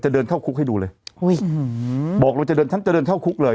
เดินเข้าคุกให้ดูเลยอุ้ยบอกเราจะเดินฉันจะเดินเข้าคุกเลย